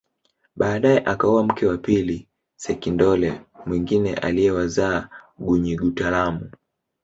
Baadae akaoa mke wa pili sekindole mwingine aliyewazaa Gunyigutalamu